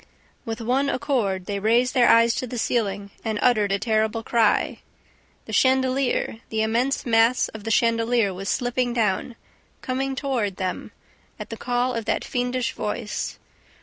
With one accord, they raised their eyes to the ceiling and uttered a terrible cry. The chandelier, the immense mass of the chandelier was slipping down, coming toward them, at the call of that fiendish voice.